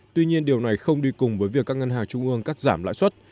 tuy nhiên điều này không đi cùng với việc các ngân hàng trung ương cắt giảm lãi suất